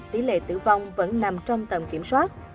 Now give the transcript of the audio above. tỷ lệ tử vong vẫn nằm trong tầm kiểm soát